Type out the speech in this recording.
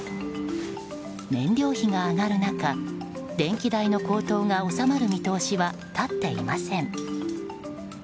燃料費が上がる中電気代の高騰が収まる見通しは立っていません。